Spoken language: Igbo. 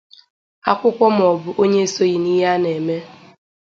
akwụkwọ ma ọ bụ onye esoghị n'ihe a na-eme